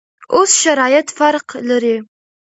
اوس شرایط فرق لري.